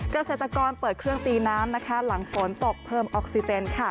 เกษตรกรเปิดเครื่องตีน้ำหลังฝนตกเพิ่มออกซิเจน